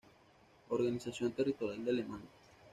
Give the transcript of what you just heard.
Organización territorial de Alemania